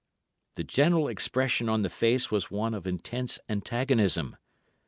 The general expression on the face was one of intense antagonism.